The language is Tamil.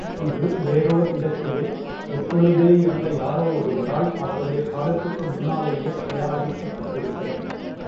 இது வேறோர் இடத்திலே, எப்பொழுதோயிருந்த யாரோ ஒருவரால், அவருடைய, காலத்துக்கு முன்னாலேயே தயாரிக்கப் பட்டிருக்கிறது.